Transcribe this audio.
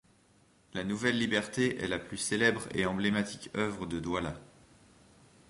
La Nouvelle Liberté est la plus célèbre et emblématique œuvre de Douala.